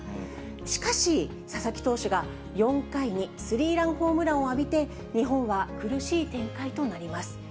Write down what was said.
しかし、佐々木投手が４回にスリーランホームランを浴びて、日本は苦しい展開となります。